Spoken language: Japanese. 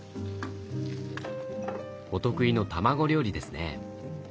お得意の卵料理ですね。